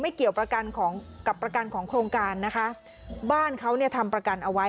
ไม่เกี่ยวกับประกันของโครงการนะคะบ้านเขาทำประกันเอาไว้